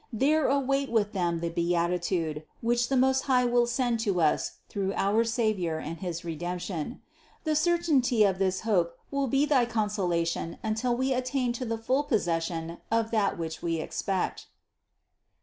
There await with them the beatitude, which the Most High will send to us through our Savior and his Redemption. The certainty of this hope will be thy consolation until we attain to the full possession of that which we expect."